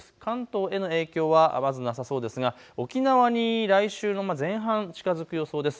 関東への影響はまずなさそうですが沖縄に来週の前半、近づく予想です。